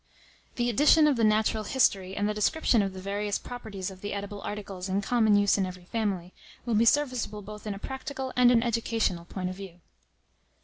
_The addition of the natural history, and the description of the various properties of the edible articles in common use in every family, will be serviceable both in a practical and an educational point of view.